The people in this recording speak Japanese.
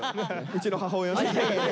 うちの母親ね。